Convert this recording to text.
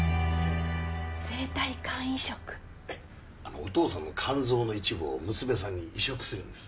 お父さんの肝臓の一部を娘さんに移植するんです。